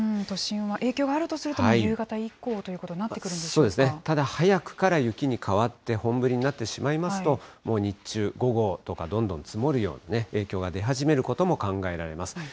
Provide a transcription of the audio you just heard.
都心は影響があるとすると、夕方以降ということになってくるそうですね、ただ早くから雪に変わって、本降りになってしまいますと、もう日中、午後とかどんどん積もるように、影響が出始めることも考えられます。